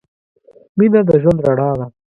مینه د ژوند رڼا ده.